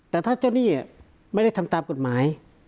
แต่ถ้าเจ้าหนี้ไม่ได้ทำตามกฎหมาย